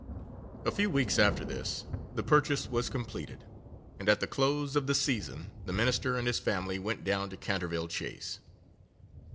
A few weeks after this, the purchase was completed, and at the close of the season the Minister and his family went down to Canterville Chase.